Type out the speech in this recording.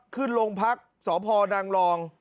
ขึ้นโรงพักษ์สพนางรอง